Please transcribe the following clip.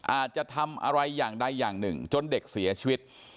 อาจจะทำอะไรอย่างใดอย่างหนึ่งจนเด็กเสียชีวิต